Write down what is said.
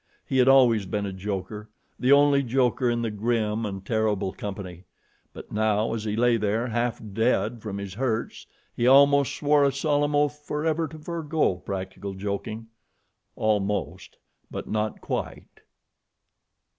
He had always been a joker, the only joker in the grim and terrible company; but now as he lay there half dead from his hurts, he almost swore a solemn oath forever to forego practical joking almost; but not quite.